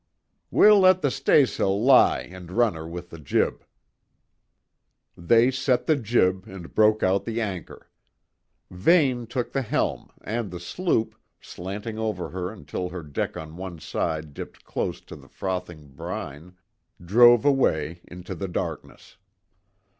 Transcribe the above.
"We'll let the staysail lie and run her with the jib." They set the jib and broke out the anchor. Vane took the helm, and the sloop, slanting over until her deck on one side dipped close to the frothing brine, drove away into, the darkness.